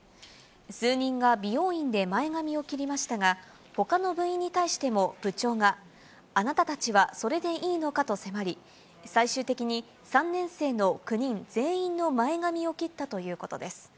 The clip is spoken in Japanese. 数人が美容院で前髪を切りましたが、ほかの部員に対しても部長が、あなたたちはそれでいいのかと迫り、最終的に３年生の９人全員の前髪を切ったということです。